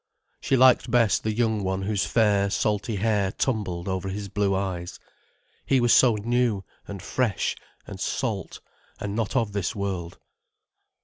She liked best the young one whose fair, salty hair tumbled over his blue eyes. He was so new and fresh and salt and not of this world.